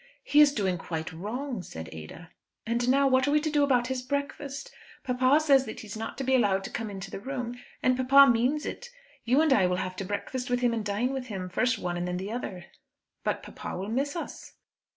"He is doing quite wrong," said Ada. "And now what are we to do about his breakfast? Papa says that he is not to be allowed to come into the room, and papa means it. You and I will have to breakfast with him and dine with him, first one and then the other." "But papa will miss us."